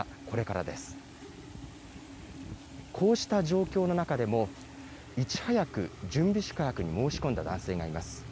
こうした状況の中でも、いち早く準備宿泊に申し込んだ男性がいます。